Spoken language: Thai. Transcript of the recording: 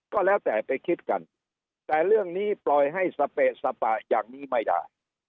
ก็แล้วแต่ไปคิดกันแต่เรื่องนี้ปล่อยให้สเปะสปะอย่างนี้ไม่ได้